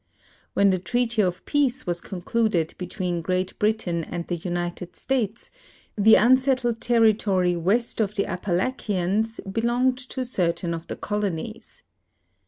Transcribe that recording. When the Treaty of Peace was concluded between Great Britain and the United States the unsettled territory west of the Appa lachians belonged to certain of the colonies.